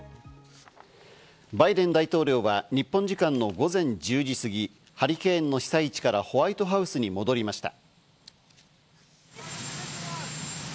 バイデン大統領は日本時間の午前１０時過ぎ、ハリケーンの被災地からホワイトハウスに戻りました。